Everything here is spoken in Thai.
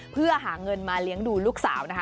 เพื่อหาเงินมาเลี้ยงดูลูกสาวนะคะ